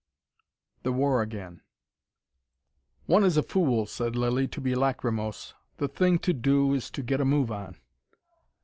THE WAR AGAIN "One is a fool," said Lilly, "to be lachrymose. The thing to do is to get a move on."